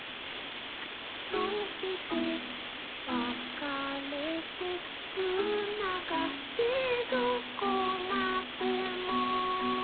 「のびてわかれて」「つながってどこまでも」